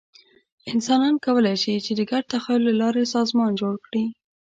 انسانان کولی شي، چې د ګډ تخیل له لارې سازمان جوړ کړي.